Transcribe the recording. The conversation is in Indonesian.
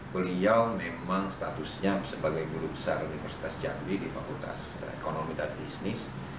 beliau memang statusnya sebagai guru besar universitas jambi di fakultas ekonomi dan bisnis